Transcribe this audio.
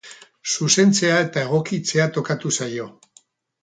Zuzentzea eta egokitzea tokatu zaio.